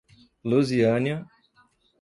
Luziânia